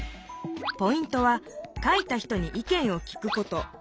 ポイントは書いた人に意見を聞くこと。